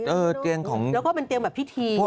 แล้วก็เป็นเตียงแบบพิธี